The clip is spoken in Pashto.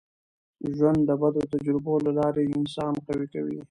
ژوند د بدو تجربو له لاري انسان قوي کوي.